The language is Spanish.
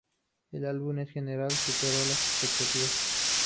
El álbum en general supero las expectativas.